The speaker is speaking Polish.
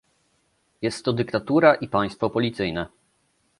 Jest to dyktatura i państwo policyjne